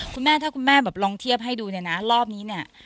คุณแม่ถ้าคุณแม่แบบลองเทียบให้ดูเนี่ยนะรอบนี้เนี่ย